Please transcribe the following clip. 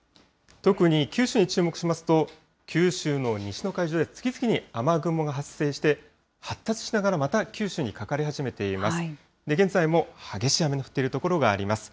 特に九州に注目しますと、九州の西の海上で次々に雨雲が発生して、発達しながら、また九州にかかり始めています。